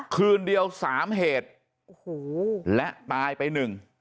คืนเดียวสามเหตุโอ้โหและตายไปหนึ่ง